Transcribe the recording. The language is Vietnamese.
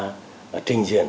đối tượng ra trình diện